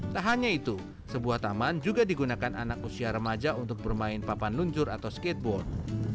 tak hanya itu sebuah taman juga digunakan anak usia remaja untuk bermain papan luncur atau skateboard